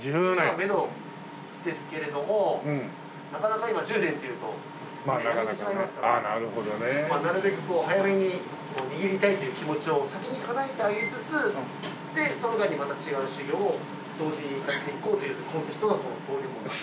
めどですけれどもなかなか今１０年っていうと辞めてしまいますからなるべくこう早めに握りたいっていう気持ちを先にかなえてあげつつでその間にまた違う修業を同時にやっていこうというコンセプトがこの登龍門なんです。